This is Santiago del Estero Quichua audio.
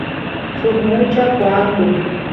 suk mucha qoanku